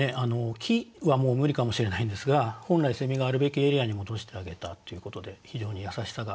木はもう無理かもしれないんですが本来があるべきエリアに戻してあげたということで非常に優しさが。